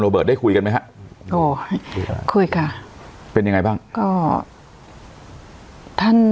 โรเบิร์ตได้คุยกันมั้ยครับคุยกันเป็นยังไงบ้างก็ท่าน